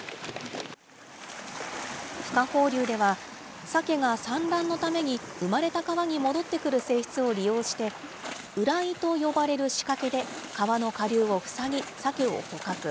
ふ化放流では、サケが産卵のために生まれた川に戻ってくる性質を利用して、ウライと呼ばれる仕掛けで川の下流を塞ぎ、サケを捕獲。